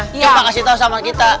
hmm kasih tahu sama kita